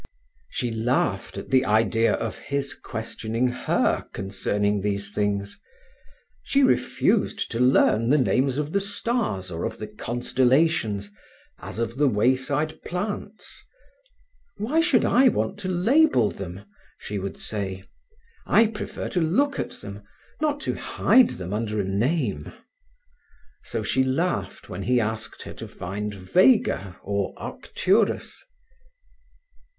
She laughed at the idea of his questioning her concerning these things. She refused to learn the names of the stars or of the constellations, as of the wayside plants. "Why should I want to label them?" she would say. "I prefer to look at them, not to hide them under a name." So she laughed when he asked her to find Vega or Arcturus.